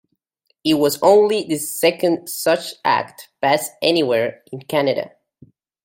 It was only the second such act passed anywhere in Canada.